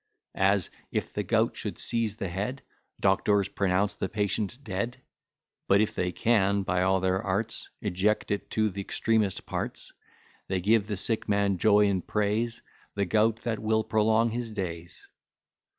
As, if the gout should seize the head, Doctors pronounce the patient dead; But, if they can, by all their arts, Eject it to the extremest parts, They give the sick man joy, and praise The gout that will prolong his days.